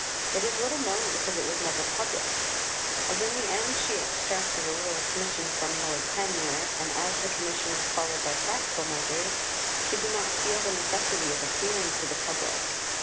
It is little known because it was never published. As in the end she extracted a Royal Commission from Lord Panmure, and as the Commission was followed by practical measures, she did not feel the necessity of appealing to the public.